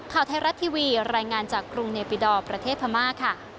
ข่าวไทยรัฐทีวีรายงานจากกรุงเนปิดอร์ประเทศพม่าค่ะ